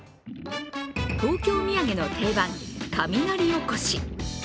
東京土産の定番、雷おこし。